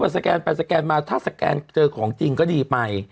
สแกนไปสแกนมาถ้าสแกนเจอของจริงก็ดีไป